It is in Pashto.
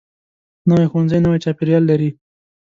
نوی ښوونځی نوی چاپیریال لري